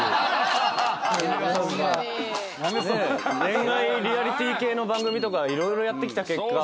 恋愛のリアリティー系の番組とかいろいろやってきた結果。